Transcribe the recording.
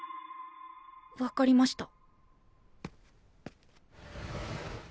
分かりました。